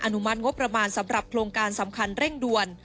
นุมัติงบประมาณสำหรับโครงการสำคัญเร่งด่วน